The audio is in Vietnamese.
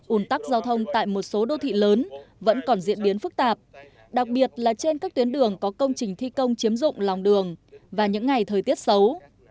ủn tắc giao thông tại một số đô thị lớn vẫn còn diễn biến phức tạp đặc biệt là trên các tuyến đường có công trình thi công chiếm dụng lòng đường và những ngày thời tiết xấu